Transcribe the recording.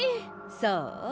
そう？